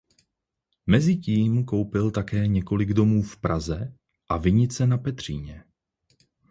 Mezitím koupil také několik domů v Praze a vinice na Petříně.